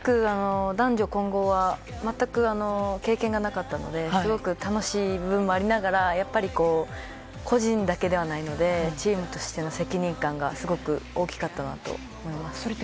男女混合は全く経験がなかったのですごく楽しい部分もありながらやっぱり個人だけではないのでチームとしての責任感がすごく大きかったと思います。